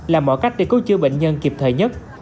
là mọi cách để cứu chữa bệnh nhân kịp thời nhất